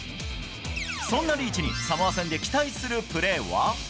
そんなリーチにサモア戦で期待するプレーは？